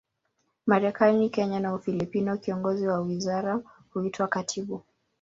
Marekani, Kenya na Ufilipino, kiongozi wa wizara huitwa katibu.